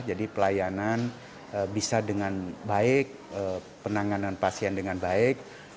pelayanan bisa dengan baik penanganan pasien dengan baik